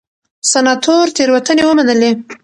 سناتور تېروتنې ومنلې.